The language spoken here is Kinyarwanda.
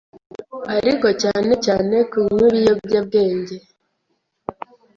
ariko cyane cyane kunywa ibiyobyabwenge.